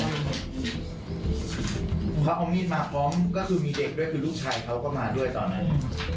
เขาเอามีดมาฟ้องก็คือมีเด็กด้วยคือลูกชายเขาก็มาด้วยตอนนั้น